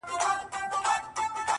• د زړو کفن کښانو د نیکونو په دعا یو ,